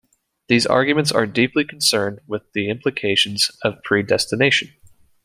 These arguments are deeply concerned with the implications of predestination.